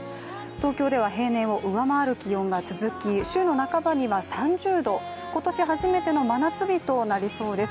東京では平年を上回る気温が続き、週の半ばには３０度今年初めての真夏日となりそうです。